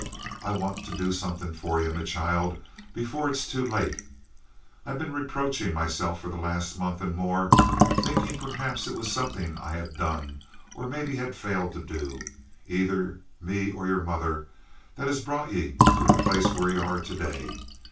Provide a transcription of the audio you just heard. I want to do somethin' for ye, my child, before it's too late. I've been reproachin' myself for the last month and more, thinkin', perhaps, it was somethin' I had done, or maybe had failed to do, aither me or your mother, that has brought ye to the place where ye are to day.